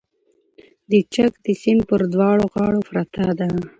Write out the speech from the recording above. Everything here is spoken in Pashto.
د چک د سیند پر دواړو غاړو پرته ده